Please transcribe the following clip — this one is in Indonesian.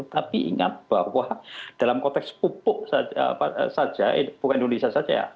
tapi ingat bahwa dalam konteks pupuk saja bukan indonesia saja ya